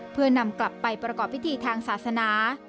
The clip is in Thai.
เพื่อนำกลับไปประกอบพิธีทางศาสนา